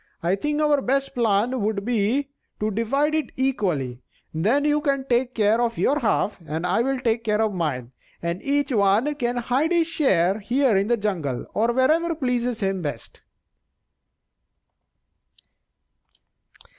I think our best plan would be to divide it equally; then you can take care of your half and I will take care of mine, and each one can hide his share here in the jungle, or wherever pleases him best."